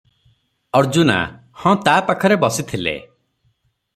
ଅର୍ଜୁନା - "ହଁ, ତା ପାଖରେ ବସିଥିଲେ ।"